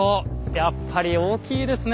やっぱり大きいですね。